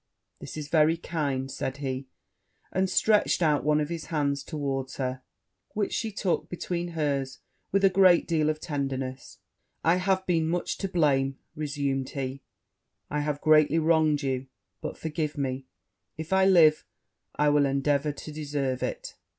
'This is very kind,' said he, and stretched out one of his hands towards her, which she took between hers with a great deal of tenderness: 'I have been much to blame,' resumed he; 'I have greatly wronged you; but forgive me if I live, I will endeavour to deserve it.'